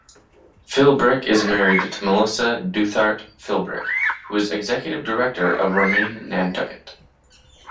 Philbrick is married to Melissa Douthart Philbrick, who is Executive Director of Remain Nantucket.